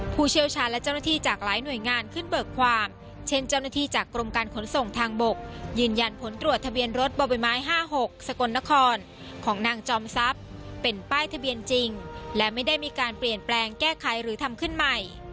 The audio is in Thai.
ผู้เชี่ยวชาญและเจ้าหน้าที่จากหลายหน่วยงานขึ้นเบิกความเช่นเจ้าหน้าที่จากกรมการขนส่งทางบกยืนยันผลตรวจทะเบียนรถบ่อใบไม้๕๖สกลนครของนางจอมทรัพย์เป็นป้ายทะเบียนจริงและไม่ได้มีการเปลี่ยนแปลงแก้ไขหรือทำขึ้นใหม่